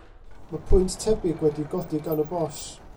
Mae pwynt tebyg wedi'i godi gan y bòs.